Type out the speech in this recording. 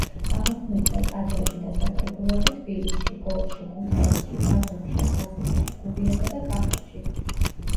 ამოქმედდა ტაძრები და საკრებულოები თბილისში, გორში, ქუთაისში, ბათუმში, ახალციხეში, გურიასა და კახეთში.